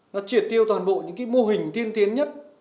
nó triệt tiêu toàn bộ những cái mô hình tiên tiến nhất